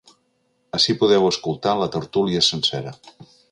Ací podeu escoltar la tertúlia sencera.